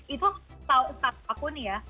itu setahu aku nih ya